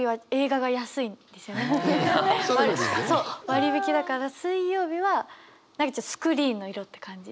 割引だから水曜日はスクリーンの色って感じ。